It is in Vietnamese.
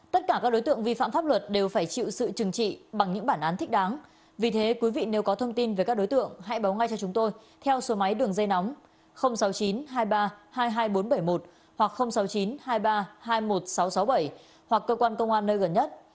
tất cả các đối tượng vi phạm pháp luật đều phải chịu sự trừng trị bằng những bản án thích đáng vì thế quý vị nếu có thông tin về các đối tượng hãy báo ngay cho chúng tôi theo số máy đường dây nóng sáu mươi chín hai mươi ba hai mươi hai nghìn bốn trăm bảy mươi một hoặc sáu mươi chín hai mươi ba hai mươi một nghìn sáu trăm sáu mươi bảy hoặc cơ quan công an nơi gần nhất